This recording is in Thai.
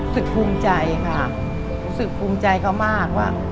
ภูมิใจค่ะรู้สึกภูมิใจเขามากว่า